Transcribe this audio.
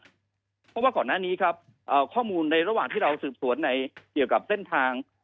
เพราะว่าก่อนหน้านี้ครับข้อมูลในระหว่างที่เราสืบสวนในเกี่ยวกับเส้นทาง